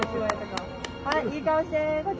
はいいい顔してこっち。